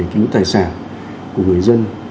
cứu tài sản của người dân